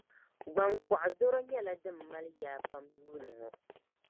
Gbaŋkɔɣu doro nyɛla din mali yaa pam yuuni ŋɔ.